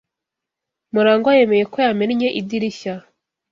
Murangwa yemeye ko yamennye idirishya.